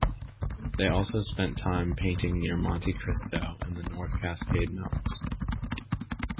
They also spent time painting near Monte Cristo in the North Cascade mountains.